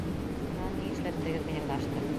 — Шунан, ни эшләттегеҙ минең башты?